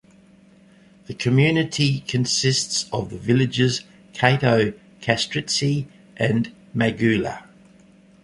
The community consists of the villages Kato Kastritsi and Magoula.